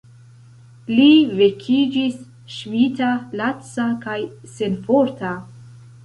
Li vekiĝis ŝvita, laca kaj senforta.